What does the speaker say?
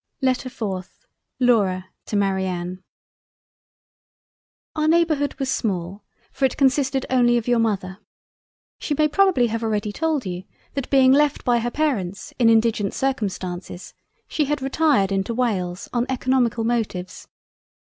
LETTER 4th Laura to MARIANNE Our neighbourhood was small, for it consisted only of your Mother. She may probably have already told you that being left by her Parents in indigent Circumstances she had retired into Wales on eoconomical motives.